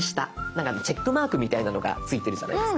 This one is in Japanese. なんかチェックマークみたいなのがついてるじゃないですか。